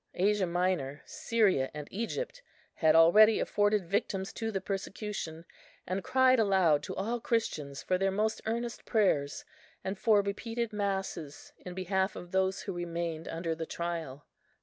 Asia Minor, Syria, and Egypt had already afforded victims to the persecution, and cried aloud to all Christians for their most earnest prayers and for repeated Masses in behalf of those who remained under the trial.